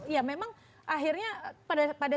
ya memang akhirnya pada